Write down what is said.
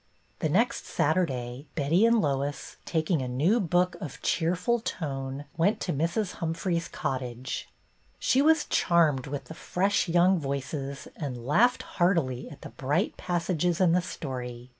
The next Saturday Betty and Lois, taking a new book of cheerful tone, went to Mrs. Humphrey's cottage. She was charmed with the fresh young voices and laughed heartily at the bright passages in the story.